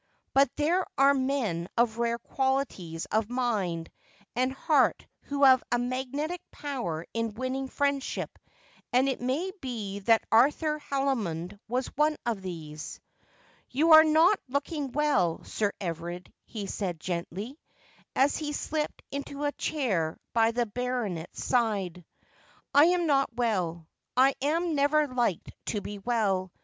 But there are men of rare qualities of mind and heart who have a magnetic power in winning friendship ; and it may be that Arthur Haldimond was one of these. From Darkness into Light. 319 ' You are not looking well, Sir Everard,' he said gently, as he slipped into a chair by the baronet's side. ' I am not well. I am never likely to be well.